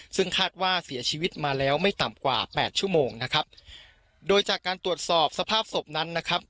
ซึ่งคาดว่าเสียชีวิตมาแล้วไม่ต่ำกว่าแปดชั่วโมงนะครับโดยจากการตรวจสอบสภาพศพนั้นนะครับ